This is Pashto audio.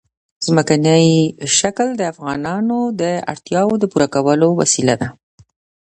ځمکنی شکل د افغانانو د اړتیاوو د پوره کولو وسیله ده.